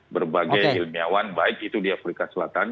berbagai ilmiawan baik itu di afrika selatan